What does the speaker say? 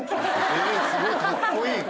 えっすごいカッコいい。